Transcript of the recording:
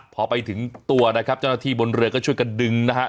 พอไปถึงตัวนะครับเจ้าหน้าที่บนเรือก็ช่วยกันดึงนะฮะ